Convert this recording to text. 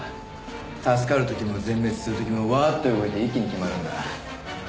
助かる時も全滅する時もわーっと動いて一気に決まるんだ。